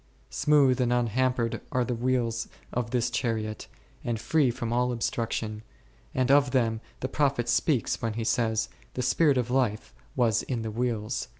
Smooth and unhampered are the wheels of this chariot, and free from all obstruction, and of them the prophet speaks when he says, The spirit of life was in the wheels v.